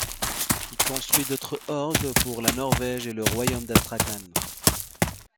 Il construit d'autres orgues pour la Norvège et le royaume d'Astrakhan.